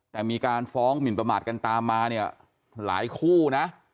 แต่มีการฟ้องหมินประมาทกันตามมาเนี่ยหลายคู่นะ